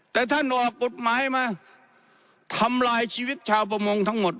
แต่ท่านออกกฎหมายมาทำลายชีวิตชาวประมงทั้งหมด